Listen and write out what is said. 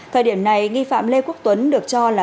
thời điểm này nghi phạm lê quốc tuấn được cho là